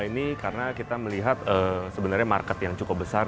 ini karena kita melihat sebenarnya market yang cukup besar